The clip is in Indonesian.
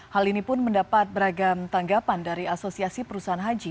hal ini pun mendapat beragam tanggapan dari asosiasi perusahaan haji